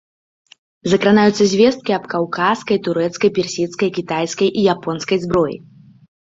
Закранаюцца звесткі аб каўказскай, турэцкай, персідскай, кітайскай і японскай зброі.